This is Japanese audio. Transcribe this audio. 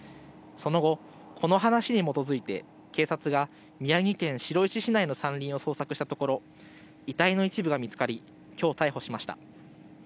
その後、この話に基づいて警察が宮城県白石市内の山林を捜索したところ遺体の一部が見つかり、きょう逮捕しました。